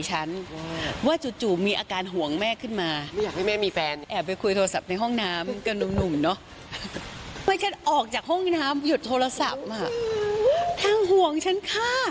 จุดโทรศัพท์มาท่านห่วงฉันค่ะ